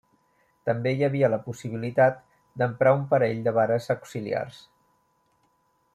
També hi havia la possibilitat d'emprar un parell de vares auxiliars.